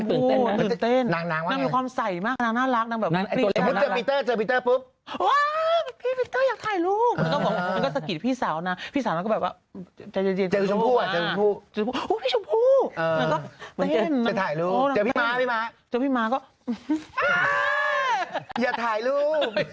อื้อพี่ชมพู้